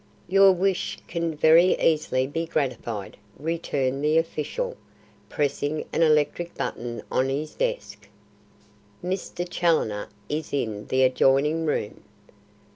"Your wish can very easily be gratified," returned the official, pressing an electric button on his desk. "Mr. Challoner is in the adjoining room."